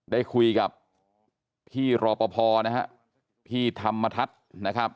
ได้คุยกับพี่รอปภนะฮะพี่ธรรมทัศน์นะครับ